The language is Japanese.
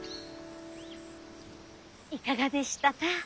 いかがでしたか？